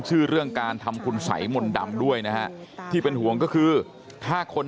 ชื่อเรื่องการทำคุณสัยมนต์ดำด้วยนะฮะที่เป็นห่วงก็คือถ้าคน